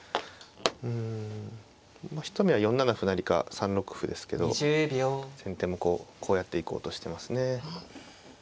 うんまあ一目は４七歩成か３六歩ですけど先手もこうこうやっていこうとしてますね。